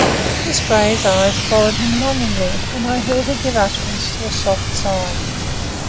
Miss Grey's eyes followed him longingly, and I heard her give utterance to a soft sigh.